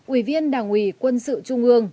ủy viên đảng ủy quân sự trung ương